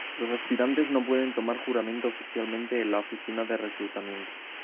Los aspirantes no pueden tomar juramento oficialmente en la oficina de reclutamiento.